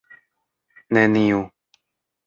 Neniu.